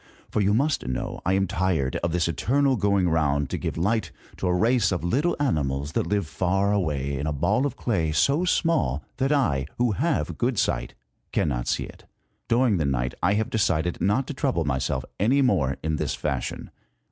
For you must know I am tired of this eternal going round to give light to a race of little animals that live far away in a ball of clay, so small that I, who have good sight, cannot see it. During the night I have decided not to trouble myself any more in this fashion.